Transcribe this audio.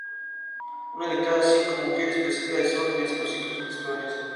Una de cada cinco mujeres presenta desórdenes en los ciclos menstruales.